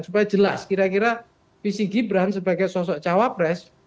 supaya jelas kira kira visi gibran sebagai sosok cawapres